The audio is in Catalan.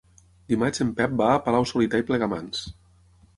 Dimarts en Pep va a Palau-solità i Plegamans.